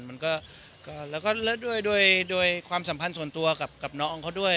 แล้วก็ด้วยความสัมพันธ์ส่วนตัวกับน้องเขาด้วย